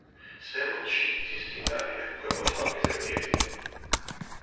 ზემოთში მთის მდინარეა, ქვემოთ ვაკეზე მიედინება.